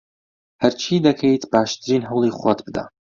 هەرچی دەکەیت، باشترین هەوڵی خۆت بدە.